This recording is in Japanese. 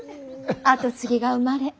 跡継ぎが生まれ